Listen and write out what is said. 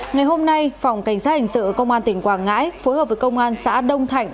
ngày hôm nay phòng cảnh sát hình sự công an tỉnh quảng ngãi phối hợp với công an xã đông thạnh